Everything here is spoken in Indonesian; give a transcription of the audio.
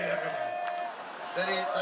dari tadi dibisikin sabar sabar